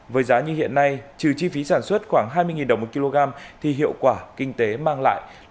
với giá như hiện nay trừ chi phí sản xuất khoảng hai mươi đồng một kg thì hiệu quả kinh tế mang lại